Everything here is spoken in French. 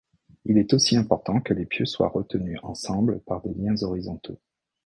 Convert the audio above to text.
Il est aussi important que les pieux soient retenus ensemble par des liens horizontaux.